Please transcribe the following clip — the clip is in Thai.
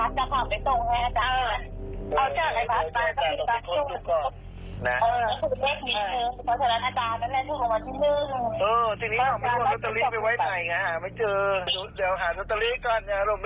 เพิ่มสมิตรของเราเนี้ยจะถ่ายให้เราไหมหรอว่าเราเอาเจ็ดสองหกไป